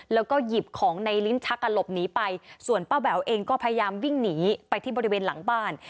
แล้วก็หยิบของในลิ้นชักกันหลบหนีไปส่วนป้าแบ๋วเองก็พยายามวิ่งหนีไปที่บริเวณหลังบ้าน